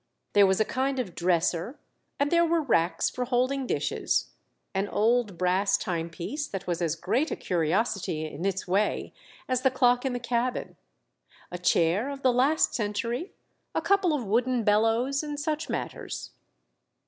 There was a kind of dresser and there were racks for holding dishes, an old brass time piece that was as great a curiosity in its way as the clock in the cabin, a chair of the last century, a couple of wooden bellows, and such matters.